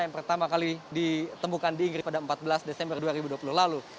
yang pertama kali ditemukan di inggris pada empat belas desember dua ribu dua puluh lalu